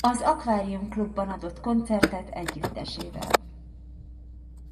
Az Akvárium Klubban adott koncertet együttesével.